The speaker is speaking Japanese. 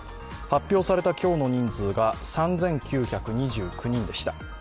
発表された今日の人数が３９２９人でした。